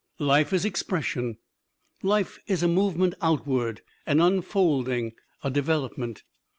Life is expression. Life is a movement outward, an unfolding, a development.